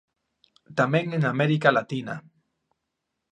Tamén en América Latina.